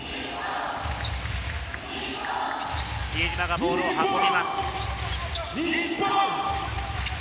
比江島がボールを運びます。